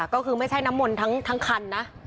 ก็คือไม่ใช่น้ำมนต์ทั้งคันนะ